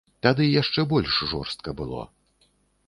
Тады яшчэ больш жорстка было.